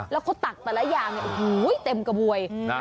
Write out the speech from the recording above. แล้วเขาตักแต่ละอย่างเนี่ยโอ้โหเต็มกระบวย